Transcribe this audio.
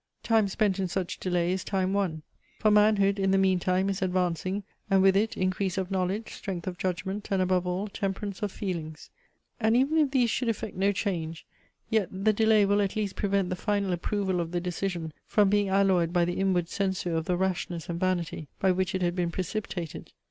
Time spent in such delay is time won: for manhood in the meantime is advancing, and with it increase of knowledge, strength of judgment, and above all, temperance of feelings. And even if these should effect no change, yet the delay will at least prevent the final approval of the decision from being alloyed by the inward censure of the rashness and vanity, by which it had been precipitated.